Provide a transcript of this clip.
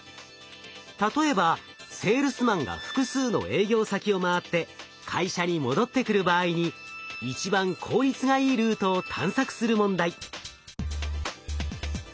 例えばセールスマンが複数の営業先を回って会社に戻ってくる場合に一番効率がいいルートを探索する問題。